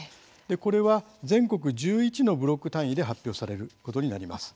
これは全国１１のブロック単位で発表されることになります。